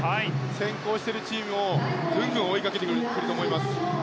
先行しているチームをグングン追いかけてくると思います。